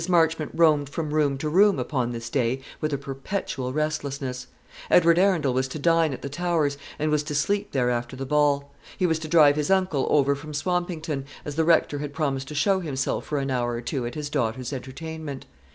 Marchmont roamed from room to room upon this day, with a perpetual restlessness. Edward Arundel was to dine at the Towers, and was to sleep there after the ball. He was to drive his uncle over from Swampington, as the Rector had promised to show himself for an hour or two at his daughter's entertainment.